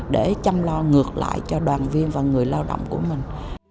để chăm lo ngược lại cho đoàn viên và người lao động của mình